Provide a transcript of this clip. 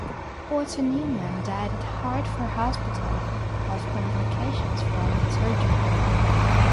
Otto Neumann died at Hartford Hospital of complications following surgery.